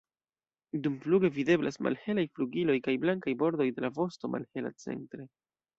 Dumfluge videblas malhelaj flugiloj kaj blankaj bordoj de la vosto, malhela centre.